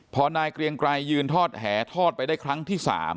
พอนายเกรียงไกรยืนทอดแหทอดไปได้ครั้งที่๓